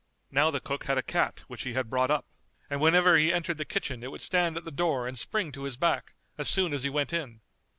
Now the cook had a cat which he had brought up, and whenever he entered the kitchen it would stand at the door and spring to his back, as soon as he went in.